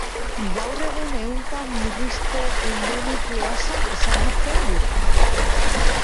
Gaur egun ehunka murrizte-endonukleasa ezagutzen dira.